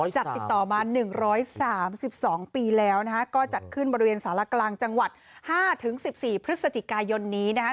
จัดติดต่อมา๑๓๒ปีแล้วก็จัดขึ้นบริเวณสารกลางจังหวัด๕๑๔พฤศจิกายนนี้นะฮะ